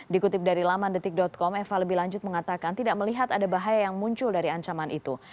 dikutip dari laman detik com eva lebih lanjut mengatakan tidak melihat ada bahaya yang muncul dari ancaman itu